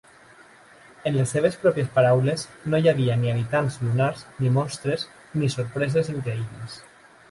En les seves pròpies paraules, no hi havia "ni habitants lunars, ni monstres, ni sorpreses increïbles".